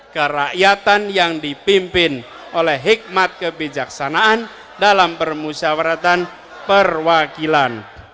kerakyatan yang dipimpin oleh hikmat kebijaksanaan dalam permusyawaratan perwakilan